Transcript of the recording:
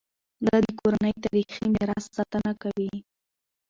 ده د کورنۍ تاریخي میراث ساتنه کوي.